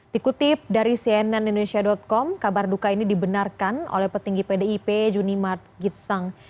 dikutip dari cnnindonesia com kabar duka ini dibenarkan oleh petinggi pdip juni mart gitsang